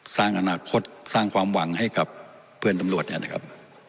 สร้างอนาคตสร้างความหวังให้กับเพื่อนตำรวจเนี่ยนะครับ